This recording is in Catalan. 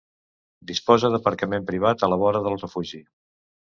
Disposa d'aparcament privat a la vora del refugi.